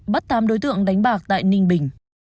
bắt tám đối tượng đánh bạc tại ninh bình